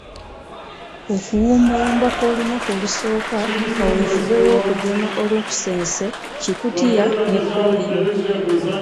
Okuwumbawumba kw'olunaku olusooka ku kaweedube w'okugema Olukusense-Kikutiya ne Ppooliyo.